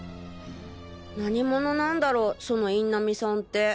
何者なんだろうその印南さんて。